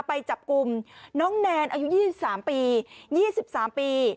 ไปจับกลุ่มน้องแนนอายุ๒๓ปี๒๓ปี